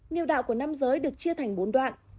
nhiều đạo của nam giới được chia thành bốn đoạn